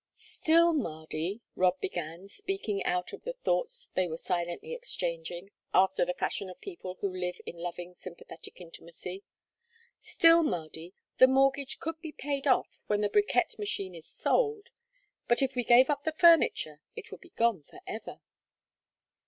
"Still, Mardy," Rob began, speaking out of the thoughts they were silently exchanging, after the fashion of people who live in loving sympathetic intimacy "still, Mardy, the mortgage could be paid off when the bricquette machine is sold, but if we gave up the furniture it would be gone forever.